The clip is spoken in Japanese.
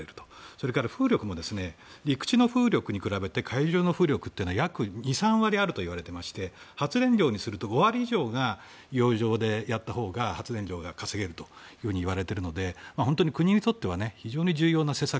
それから風力も陸地の風力に比べて海上の風力って約２３割あるといわれてまして発電量にすると５割以上が洋上でやったほうが発電量が稼げるといわれているので本当に国にとっては非常に重要な施策。